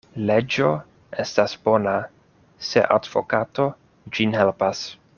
Leĝo estas bona, se advokato ĝin helpas.